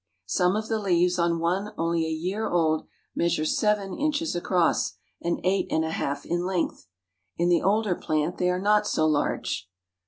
Some of the leaves on one only a year old, measure seven inches across, and eight and a half in length. In the older plant they are not so large.